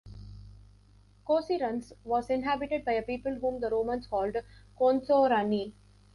Couserans was inhabited by a people whom the Romans called "Consoranni".